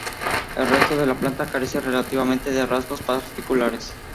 El resto de la planta carece relativamente de rasgos particulares.